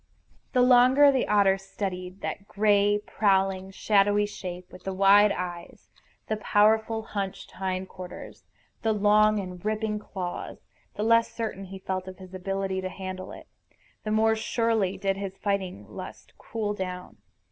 The longer the otter studied that gray, prowling, shadowy shape, with the wide eyes, the powerful hunched hind quarters, the long and ripping claws, the less certain he felt of his ability to handle it, the more surely did his fighting lust cool down.